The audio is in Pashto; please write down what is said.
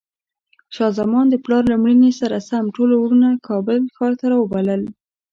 شاه زمان د پلار له مړینې سره سم ټول وروڼه کابل ښار ته راوبلل.